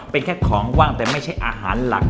เป็นแค่ของว่างแต่ไม่ใช่อาหารหลัก